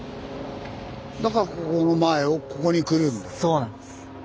そうなんです。